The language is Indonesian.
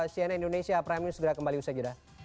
cnn indonesia prime news segera kembali usai jeda